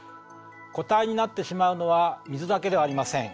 固体になってしまうのは水だけではありません。